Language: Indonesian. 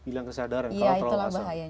bilang kesadaran kalau terlalu asam